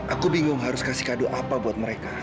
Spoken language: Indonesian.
aku bingung harus kasih kado apa buat mereka